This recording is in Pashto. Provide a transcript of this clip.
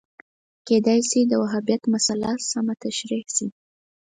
کېدای شو وهابیت مسأله سمه تشریح شي